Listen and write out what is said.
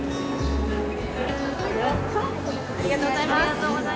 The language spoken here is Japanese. ありがとうございます！